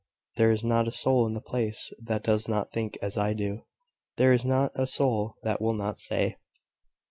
"There is not a soul in the place that does not think as I do. There is not a soul that will not say